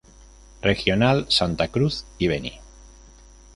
Regional Santa Cruz y Beni.